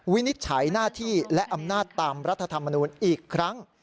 วินิจฉัยหน้าที่และอำนาจตามรัฐธรรมนูลอีกครั้ง